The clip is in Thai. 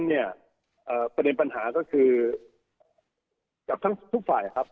เนี่ยประเด็นปัญหาก็คือกับทั้งทุกฝ่ายครับ